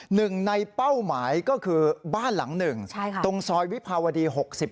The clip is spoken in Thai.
หนึ่งในเป้าหมายก็คือบ้านหลังหนึ่งตรงซอยวิภาวดี๖๐